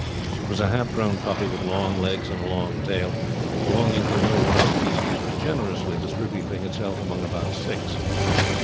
It was a half grown puppy with long legs and a long tail, belonging to no one species, but generously distributing itself among about six.